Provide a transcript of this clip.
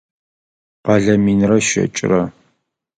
Къэлэ минрэ щэкӏрэ.